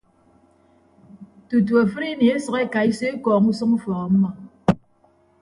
Tutu afịdini esʌk ekaiso ekọọñ usʌñ ufọk ọmmọ.